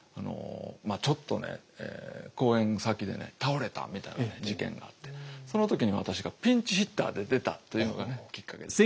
ちょっとね講演先で倒れたみたいな事件があってその時に私がピンチヒッターで出たというのがきっかけですよ。